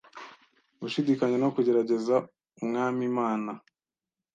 gushidikanya no kugerageza umwamiimana